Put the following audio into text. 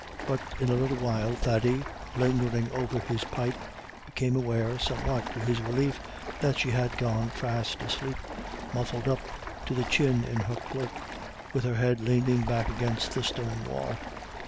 But in a little while, Thady, lingering over his pipe, became aware, somewhat to his relief, that she had gone fast asleep, muffled up to the chin in her cloak, with her head leaning back against the stone wall.